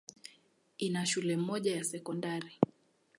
Ina shule moja ya sekondari.